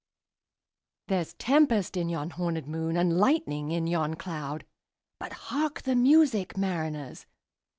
There's tempest in yon hornèd moon, And lightning in yon cloud:But hark the music, mariners!